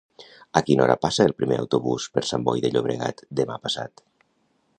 A quina hora passa el primer autobús per Sant Boi de Llobregat demà passat?